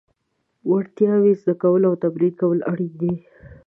وړتیاوې زده کول او تمرین کول اړین دي.